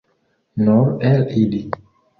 Nur el ili.